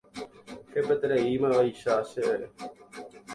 Hepyetereímavaicha chéve.